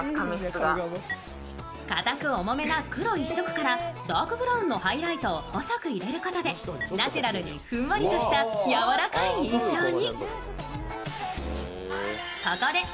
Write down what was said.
かたく重めな黒一色からダークブラウンのハイライトを細く入れることでナチュラルにふんわりとした柔らかい印象に。